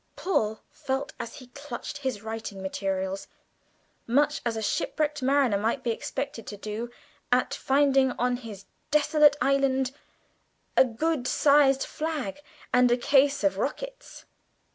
Paul felt, as he clutched his writing materials, much as a shipwrecked mariner might be expected to do at finding on his desolate island a good sized flag and a case of rockets.